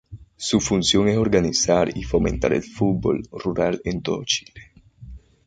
Su función es organizar y fomentar el fútbol rural en todo Chile.